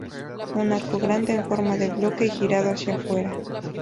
Un arco grande en forma de bloque y girado hacia fuera.